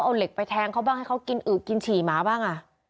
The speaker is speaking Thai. เอาเหล็กไปแทงเขาบ้างให้เขากินอึกกินฉี่หมาบ้าง